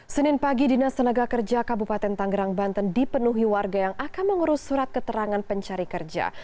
senin pagi dinas tenaga kerja kabupaten tanggerang banten dipenuhi warga yang akan mengurus surat keterangan pencari kerja